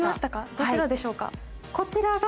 どちらでしょうか。